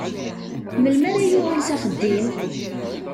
Melmi ara yuɣal s axeddim?